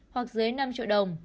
hoặc dưới năm triệu đồng